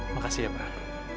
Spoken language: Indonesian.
makasih ya pak